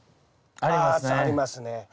あありますね。